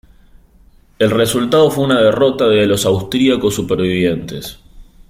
El resultado fue una derrota de los austriacos supervivientes.